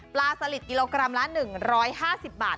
สลิดกิโลกรัมละ๑๕๐บาท